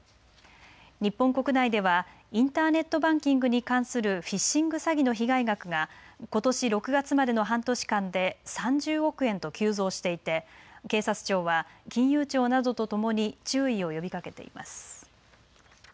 日本国内ではインターネットバンキングに関するフィッシング詐欺の被害額がことし６月までの半年間で３０億円と急増していて警察庁は金融庁などとともに注意を呼びかけています。